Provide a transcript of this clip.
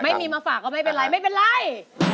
ไม่มีมาฝากก็ไม่เป็นไรไม่เป็นไร